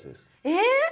えっ！